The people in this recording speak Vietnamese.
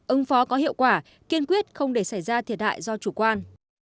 ứng phó có hiệu quả kiên quyết không để xảy ra thiệt hại do chủ quan